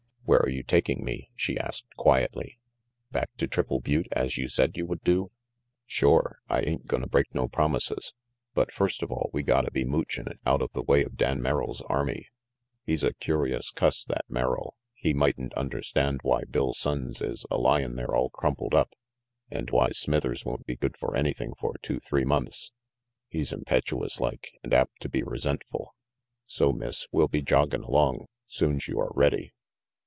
"Where are you taking me?" she asked quietly. "Back to Triple Butte, as you said you would do?" "Shore. I ain't gonna break no promises. But first of all we gotta be moochin' it out of the way of Dan Merrill's army. He's a curious cuss, that Merrill. He mightn't understand why Bill Sonnes is a lyin' there all crumpled up and why Smithers won't be good for anything for two three months. He's impetuous like, and apt to be resentful. So, Miss, we'll be joggin' along, soon's you are ready."